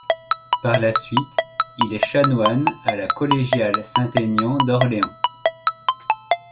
Par la suite, il est chanoine à la Collégiale Saint-Aignan d'Orléans.